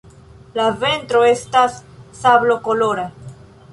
La ventro estas sablokolora.